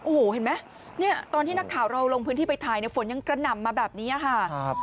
โอ้โหเห็นไหมเนี่ยตอนที่นักข่าวเราลงพื้นที่ไปถ่ายฝนยังกระหน่ำมาแบบนี้ค่ะ